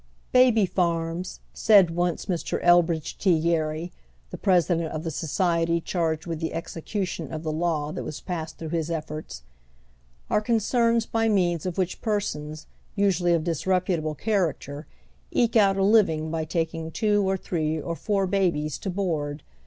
" Baby farms," said once Mr. EI hridge T. Gerry, the President of the Society charged with the execution of the law that was passed through liis efforts, " are concerns by means of which persons, nsnaiiy of disreputable character, eke out a living by taking two, or three, or four babies to boai d.